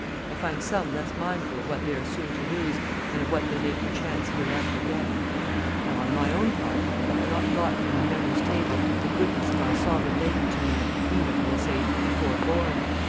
I find some less mindful of what they are soon to lose, than of what they may perchance hereafter get: Now, on my own part, I cannot blot from my memory's table the goodness of our sovereign lady to me, even, I will say, before born.